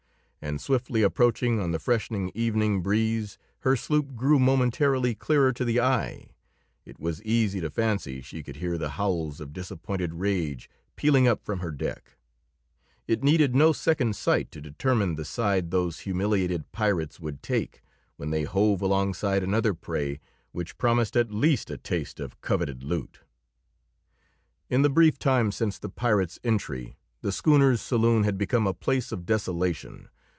And swiftly approaching on the freshening evening breeze her sloop grew momentarily clearer to the eye; it was easy to fancy she could hear the howls of disappointed rage pealing up from her deck; it needed no second sight to determine the side those humiliated pirates would take, when they hove alongside another prey which promised at least a taste of coveted loot. In the brief time since the pirates' entry the schooner's saloon had become a place of desolation.